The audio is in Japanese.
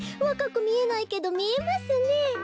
わかくみえないけどみえますねえ。